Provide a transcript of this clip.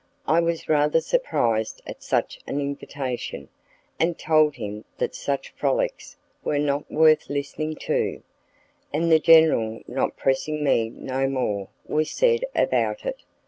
I was rather surprised at such an invitation, and told him that such frolics were not worth listening to, and the general not pressing me no more was said about it.